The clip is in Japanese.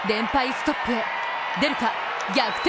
ストップへ、出るか逆転